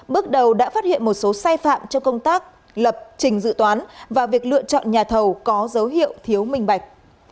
bước đầu đã phát hiện một số sai phạm trong công tác lập trình dự toán và việc lựa chọn nhà thầu có dấu hiệu thiếu minh bạch